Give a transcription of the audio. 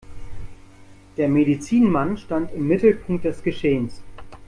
Der Medizinmann stand im Mittelpunkt des Geschehens.